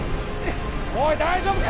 おい大丈夫か？